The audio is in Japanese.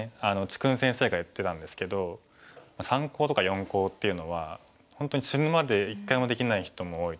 治勲先生が言ってたんですけど三コウとか四コウっていうのは本当に死ぬまで一回もできない人も多い。